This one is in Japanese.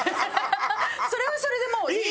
それはそれでもういい。